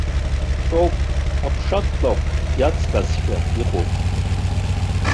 Ҵоуп апшатлакә иацҟьазшәа иҟоуп.